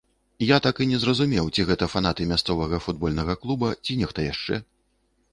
Я так і не зразумеў, ці гэта фанаты мясцовага футбольнага клуба, ці нехта яшчэ.